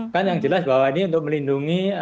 kan yang jelas bahwa ini untuk melindungi